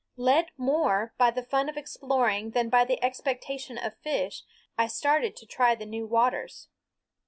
Led more by the fun of exploring than by the expectation of fish, I started to try the new waters.